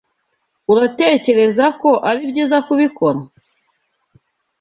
Uratekereza ko ari byiza kubikora?